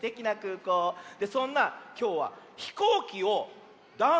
そんなきょうはひこうきをダンスにしてみるよ。